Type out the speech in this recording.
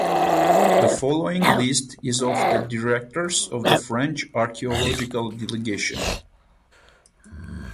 The following list is of the directors of the French archaeological delegation.